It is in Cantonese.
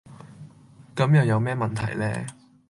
咁又有咩問題呢